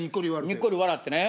にっこり笑ってね。